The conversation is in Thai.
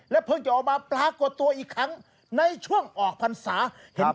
และเพิ่งจะออกมาปลากกดตัวอีกครั้งในช่วงออกพันธุ์ศาสตร์